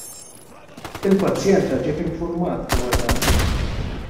Il-pazjenta ġiet infurmata dwar dan.